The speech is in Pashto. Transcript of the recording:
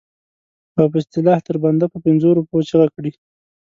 او په اصطلاح تر بنده په پنځو روپو چیغه کړي.